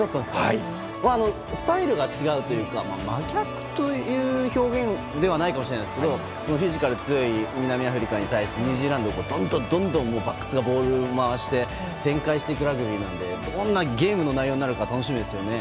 スタイルが違うというか真逆という表現じゃないかもしれないですけどフィジカルが強い南アフリカに対してニュージーランドはどんどんバックスがボールを回し展開していくラグビーなのでどんなゲームの内容になるか楽しみですね。